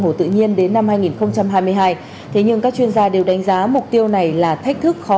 hồ tự nhiên đến năm hai nghìn hai mươi hai thế nhưng các chuyên gia đều đánh giá mục tiêu này là thách thức khó